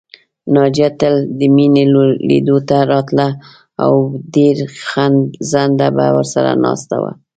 ناجیه تل د مينې لیدلو ته راتله او ډېر ځنډه به ورسره ناسته وه